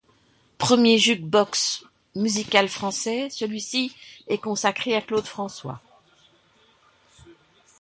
Premier jukebox musical français, celui-ci est consacré à Claude François.